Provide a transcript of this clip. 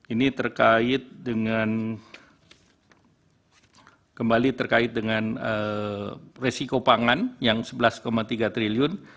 ini terkait dengan kembali terkait dengan resiko pangan yang sebelas tiga triliun